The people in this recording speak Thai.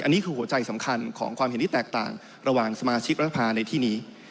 อันนี้คือหัวใจสำคัญของความเห็นที่แตกต่างระหว่างสมาชิกรัฐภาในที่นี้